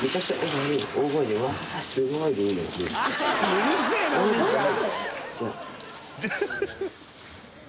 うるせえなお兄ちゃん。